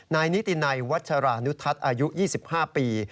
นายนิตินัยวัชรานุทัศน์อายุ๒๕ปี